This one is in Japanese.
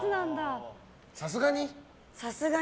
さすがに？